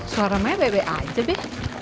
suara mai bebe aja bebe